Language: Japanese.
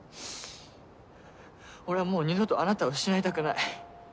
俺はもう二度とあなたを失いたくない。